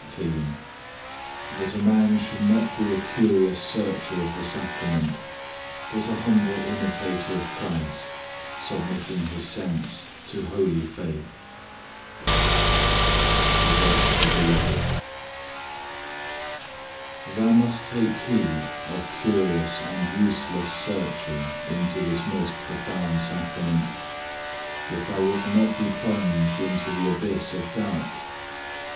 CHAPTER XVIII That a man should not be a curious searcher of the Sacrament, but a humble imitator of Christ, submitting his sense to holy faith The Voice of the Beloved Thou must take heed of curious and useless searching into this most profound Sacrament, if thou wilt not be plunged into the abyss of doubt.